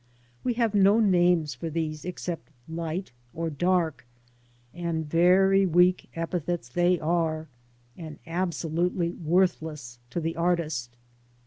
We have no names for these except '' light " or dark," and very weak epithets they are, and absolutely worthless to the artist.